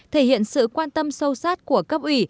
thể hiện sự quan tâm sâu sát của cấp ủy